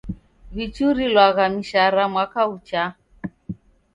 W'ichurilwagha mishara mwaka ghuchaa.